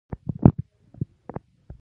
زه د قران کریم تلاوت کوم.